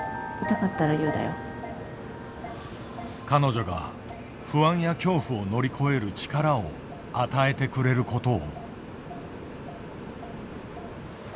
彼女が不安や恐怖を乗り越える力を与えてくれることを。